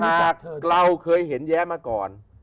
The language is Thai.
จากเราเคยเห็นแย้มาก่อน